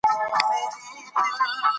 ازادي راډیو د کلتور د تحول لړۍ تعقیب کړې.